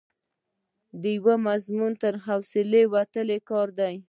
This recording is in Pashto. د یوه مضمون تر حوصلې وتلی کار دی.